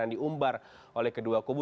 yang diumbar oleh kedua kubu